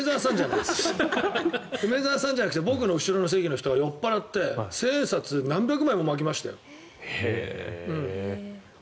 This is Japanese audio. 梅沢さんじゃないけど僕の後ろの席の人が酔っ払って千円札何百枚もまきましたよ。